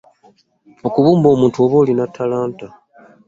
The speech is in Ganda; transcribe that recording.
Okubumba omuntu aba alina ttalanta.